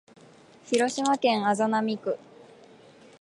広島市安佐南区